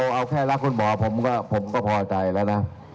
เอาแค่รักคุณหมอผมก็พอใจแล้วนะ